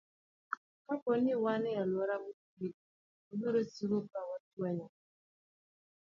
Kapo ni wan e alwora mochido, wabiro siko ka wach wanyore.